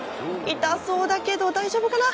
痛そうだけど、大丈夫かな。